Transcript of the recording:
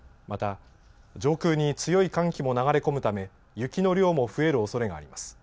また、上空に強い寒気も流れ込むため雪の量も増えるおそれがあります。